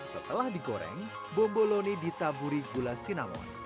setelah di goreng bomboloni ditaburi gula sinamon